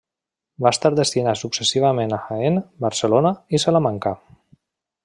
Va estar destinat successivament a Jaén, Barcelona i Salamanca.